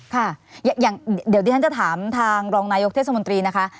ค่ะอย่างเดี๋ยวที่ฉันจะถามทางรองนายกเทศมนตรีนะคะ